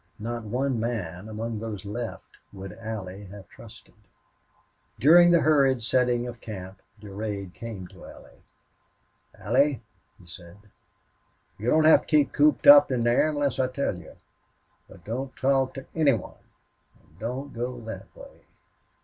Not one man among those left would Allie have trusted. During the hurried settling of camp Durade came to Allie. "Allie," he said, "you don't have to keep cooped up in there unless I tell you. But don't talk to any one and don't go that way."